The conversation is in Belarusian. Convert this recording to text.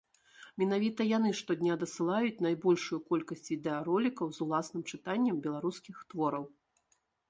Менавіта яны штодня дасылаюць найбольшую колькасць відэаролікаў з уласным чытаннем беларускіх твораў.